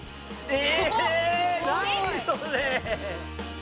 ・え。